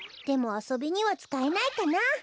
でもあそびにはつかえないかな。